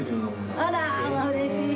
あらー、うれしい。